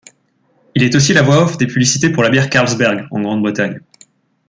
Il est aussi la voix off des publicités pour la bière Carlsberg en Grande-Bretagne.